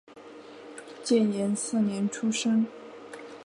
建炎四年出生。